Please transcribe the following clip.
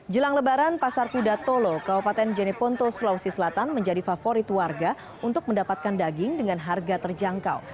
jelang lebaran pasar kuda tolo kabupaten jeneponto sulawesi selatan menjadi favorit warga untuk mendapatkan daging dengan harga terjangkau